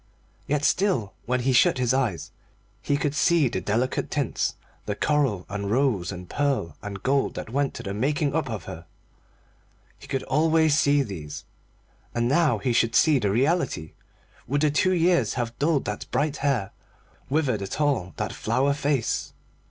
Yet still, when he shut his eyes, he could see the delicate tints, the coral, and rose, and pearl, and gold that went to the making up of her. He could always see these. And now he should see the reality. Would the two years have dulled that bright hair, withered at all that flower face?